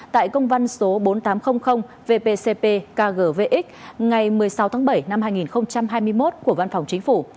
tại công văn số bốn nghìn tám trăm linh vpcp kgvx ngày một mươi sáu tháng bảy năm hai nghìn hai mươi một của văn phòng chính phủ